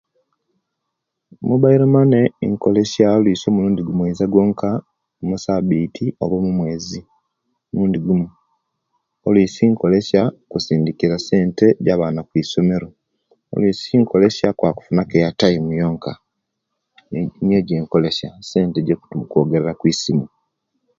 Emobailo mane nkolesya oluisi omurundi gumoiza gwonka omusabiti oba omu'mwezi omurundi gumo oluisi nkolesya kusindikira sente gya'baana kwisomero oluisi nkolesya kwaba kufunaku eyataimu yenka niye jenkozesya sente gya kwogerera kuisimu